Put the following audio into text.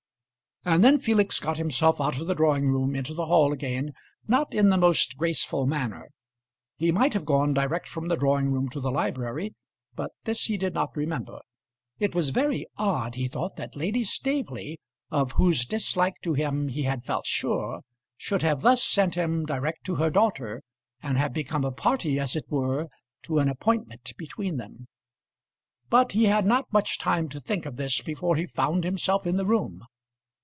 And then Felix got himself out of the drawing room into the hall again not in the most graceful manner. He might have gone direct from the drawing room to the library, but this he did not remember. It was very odd, he thought, that Lady Staveley, of whose dislike to him he had felt sure, should have thus sent him direct to her daughter, and have become a party, as it were, to an appointment between them. But he had not much time to think of this before he found himself in the room.